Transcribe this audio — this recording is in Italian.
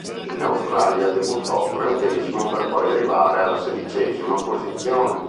In Australia debuttò trentesimo per poi arrivare alla sedicesima posizione.